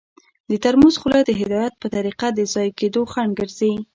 د ترموز خوله د هدایت په طریقه د ضایع کیدو خنډ ګرځي.